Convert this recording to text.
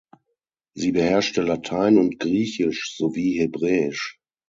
Sie beherrschte Latein und Griechisch sowie Hebräisch.